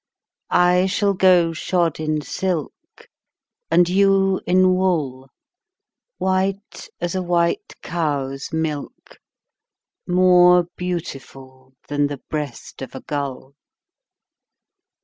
I shall go shod in silk, And you in wool, White as a white cow's milk, More beautiful Than the breast of a gull.